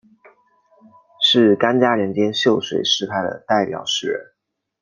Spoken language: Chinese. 是干嘉年间秀水诗派的代表诗人。